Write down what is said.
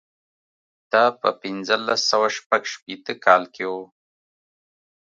دا په پنځلس سوه شپږ شپېته کال کې و.